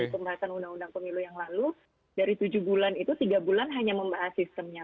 pembahasan undang undang pemilu yang lalu dari tujuh bulan itu tiga bulan hanya membahas sistemnya